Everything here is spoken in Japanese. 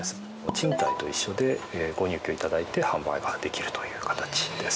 賃貸と一緒で、ご入居いただいて販売ができるという形です。